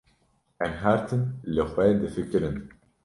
Em her tim li xwe difikirin.